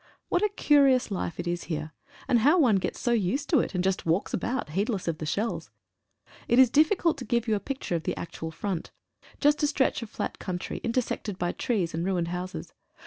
What a curious life it is here, and how one gets so used to it, and just walks about heedless of the shells. It is difficult to give you a picture of the actual front. Just a stretch of flat country, inter sected by trees and ruined bouses.